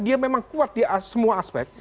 dia memang kuat di semua aspek